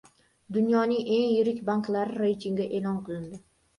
Dunyoning eng yirik banklari reytingi e’lon qilindi